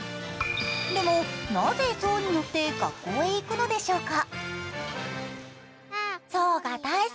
でも、なぜ象に乗って学校に行くのでしょうか。